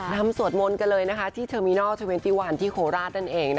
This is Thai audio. ทำสวดมนต์กันเลยที่เทอรมินอล๒๑ที่โคลาส